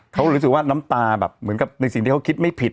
เขารู้สึกว่าน้ำตาแบบเหมือนกับในสิ่งที่เขาคิดไม่ผิด